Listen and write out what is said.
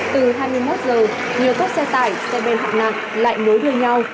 từ hai mươi một h nhiều tốt xe tải xe bên hạng nặng lại nối đưa nhau